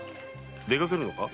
出かけるのか？